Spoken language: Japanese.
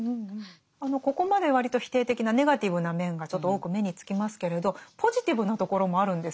ここまで割と否定的なネガティブな面がちょっと多く目につきますけれどポジティブなところもあるんですよね。